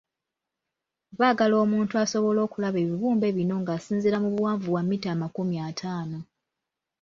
Baagala omuntu asobole okulaba ebibumbe bino nga asinziira mu buwanvu bwa mita amakumi ataano.